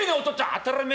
「当たりめえだ。